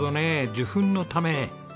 受粉のため？